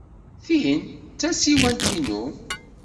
Tin d tasiwant-inu.